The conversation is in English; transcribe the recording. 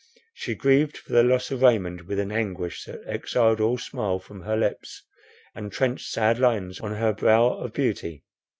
She grieved for the loss of Raymond with an anguish, that exiled all smile from her lips, and trenched sad lines on her brow of beauty.